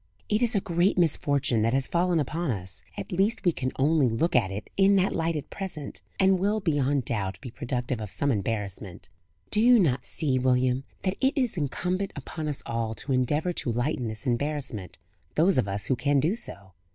"It is a great misfortune that has fallen upon us at least we can only look at it in that light at present, and will, beyond doubt, be productive of some embarrassment. Do you not see, William, that it is incumbent upon us all to endeavour to lighten this embarrassment, those of us who can do so?